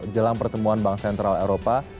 jelang pertemuan bank sentral eropa